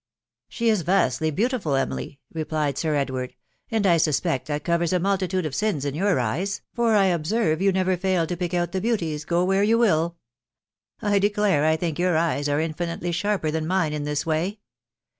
She is vastly beautiful, Emily," replied Sir Edward, and I suspect that covers a multitude of sins in your eyes; for I observe you never fail to pick out the beauties, go when you will : I declare I think your eyes are infinitely sharper than mine in this way.